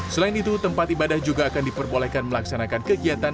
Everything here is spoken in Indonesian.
selain itu tempat ibadah juga akan diperbolehkan melaksanakan kegiatan